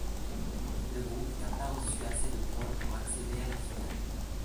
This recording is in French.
Le groupe n'a pas reçu assez de points pour accéder à la finale.